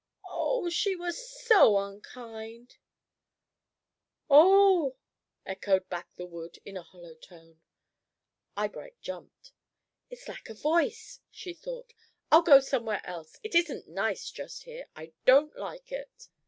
O h, she was so unkind" "O h!" echoed back the wood in a hollow tone. Eyebright jumped. "It's like a voice," she thought. "I'll go somewhere else. It isn't nice just here. I don't like it."